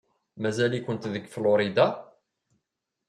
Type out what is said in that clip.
Mazal-ikent deg Florida?